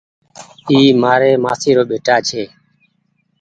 اي مآري مآسآ رو ٻيٽآ ڇي۔